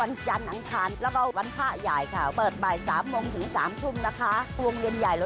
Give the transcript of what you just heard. โอ้โหเห็นแล้วอยากจะพุ่งตัวไปหาเจภาเลยจ้า